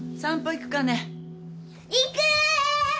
行く！！